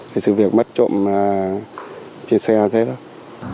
thì sự việc mất trộm trên xe là thế thôi